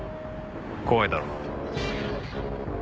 怖いだろ？